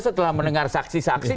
setelah mendengar saksi saksi